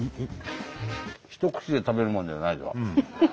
一口で食べるもんじゃない。